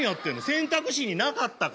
選択肢になかったから。